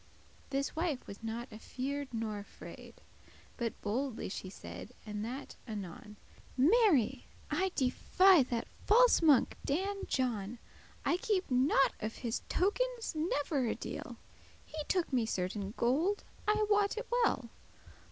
This wife was not afeared nor afraid, But boldely she said, and that anon; "Mary! I defy that false monk Dan John, I keep* not of his tokens never a deal: *care whit He took me certain gold, I wot it well.